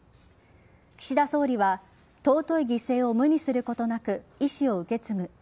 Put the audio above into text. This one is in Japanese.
岸田総理は尊い犠牲を無にすることなく遺志を受け継ぐ。